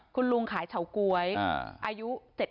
คุณลุงขายเฉาก๊วยอายุ๗๐